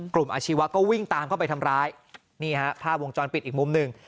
อาชีวะก็วิ่งตามเข้าไปทำร้ายนี่ฮะภาพวงจรปิดอีกมุมหนึ่ง